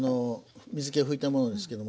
水けを拭いたものですけども。